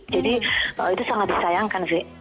jadi itu sangat disayangkan sih